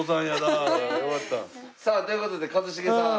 さあという事で一茂さん。